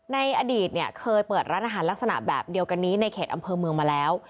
ในอดีตเนี่ยเคยเปิดร้านอาหารลักษณะแบบเดียวกันนี้ในเขตอำเภอเมืองมาแล้ว